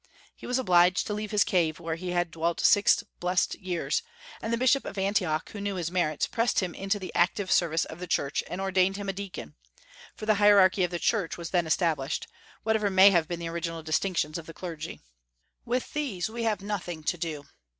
He was obliged to leave his cave, where he had dwelt six blessed years; and the bishop of Antioch, who knew his merits, pressed him into the active service of the Church, and ordained him deacon, for the hierarchy of the Church was then established, whatever may have been the original distinctions of the clergy. With these we have nothing to do.